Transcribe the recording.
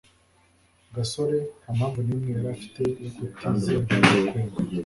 gasore nta mpamvu n'imwe yari afite yo kutizera gakwego